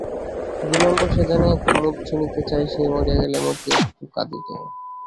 দু নম্বর সে জানে, কুমুদ শুনিতে চায় সে মরিয়া গেলে মতি একটু কাদিত।